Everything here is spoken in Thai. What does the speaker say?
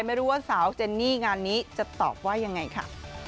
ไม่รู้ว่าสาวเจนนี่งานนี้จะตอบว่ายังไงค่ะ